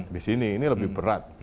di sini ini lebih berat